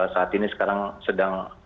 saat ini sekarang sedang